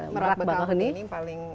merag bakau ini paling